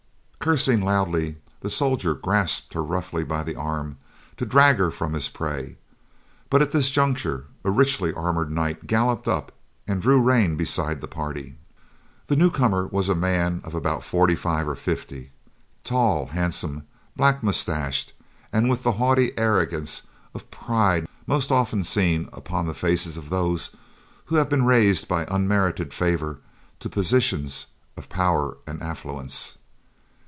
Cursing loudly, the soldier grasped her roughly by the arm to drag her from his prey, but at this juncture, a richly armored knight galloped up and drew rein beside the party. The newcomer was a man of about forty five or fifty; tall, handsome, black mustached and with the haughty arrogance of pride most often seen upon the faces of those who have been raised by unmerited favor to positions of power and affluence.